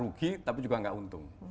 rugi tapi juga nggak untung